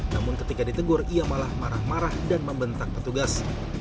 namun ketika ditegur ia malah marah marah dan membentak petugas